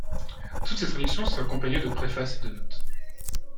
Toutes ces Traductions sont accompagnées de préfaces et de notes.